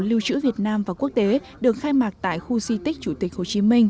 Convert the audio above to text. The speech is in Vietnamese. lưu trữ việt nam và quốc tế được khai mạc tại khu di tích chủ tịch hồ chí minh